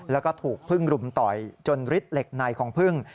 แล้วก็ถูกผึ้งรุมต่อยจนริดเหล็กในของผึ้ง